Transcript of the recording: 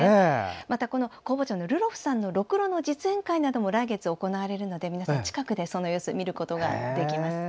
またルロフさんのろくろの実演会も来月行われるので、近くでその様子、見ることができます。